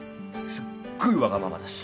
すっごいわがままだし。